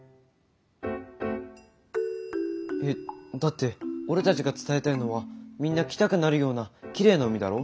えだって俺たちが伝えたいのはみんな来たくなるようなきれいな海だろ？